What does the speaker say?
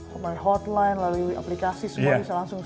pemain hotline lalu aplikasi semua bisa langsung